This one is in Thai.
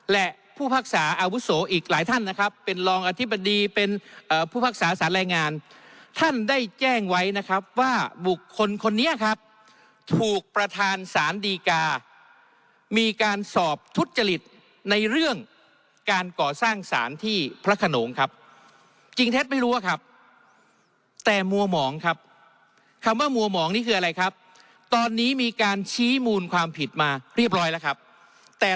และผู้พักษาอาวุโสอีกหลายท่านนะครับเป็นรองอธิบดีเป็นผู้พักษาสารรายงานท่านได้แจ้งไว้นะครับว่าบุคคลคนนี้ครับถูกประธานสารดีกามีการสอบทุจริตในเรื่องการก่อสร้างสารที่พระขนงครับจริงเท็จไม่รู้อะครับแต่มัวหมองครับคำว่ามัวหมองนี่คืออะไรครับตอนนี้มีการชี้มูลความผิดมาเรียบร้อยแล้วครับแต่